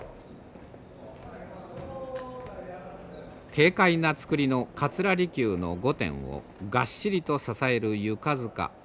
軽快な造りの桂離宮の御殿をがっしりと支える床づか。